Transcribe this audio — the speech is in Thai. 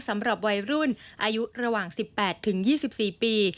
สำหรับวัยรุ่นอายุระหว่าง๑๘๒๔ปี